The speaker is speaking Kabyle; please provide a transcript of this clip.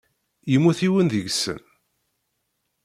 Yemmut yiwen deg-sen.